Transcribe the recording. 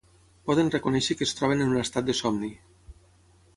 poden reconèixer que es troben en un estat de somni